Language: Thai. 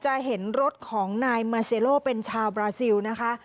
จะเห็นรถของนายมาเซโลเป็นชาวบราซิลนะคะ